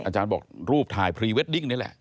อาจารย์บอกรูปถ่ายพรีเวดดิ้งนี่แหละ